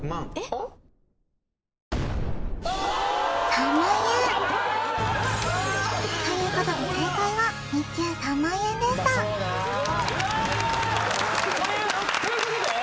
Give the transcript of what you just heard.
３万円ということで正解は日給３万円でしたということで？